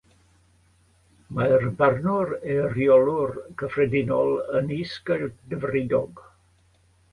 Mae'r Barnwr Eiriolwr Cyffredinol yn is-gadfridog.